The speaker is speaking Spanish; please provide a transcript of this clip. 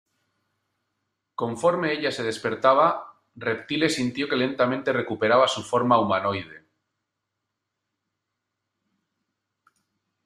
Conforme ella se despertaba, Reptile sintió que lentamente recuperaba su forma humanoide.